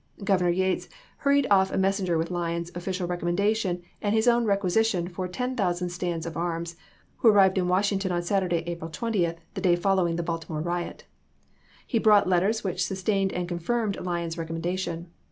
Governor Yates hurried off a messenger with Lyon's offi cial recommendation and his own requisition for 10,000 stands of arms, who arrived in Washing ton on Saturday, April 20, the day following the Baltimore riot. He brought letters which sustained and confirmed Lyon's recommendation.